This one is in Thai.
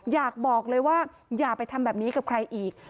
อยากบอกเลยว่าอย่าไปทำแบบนี้กับใครอีก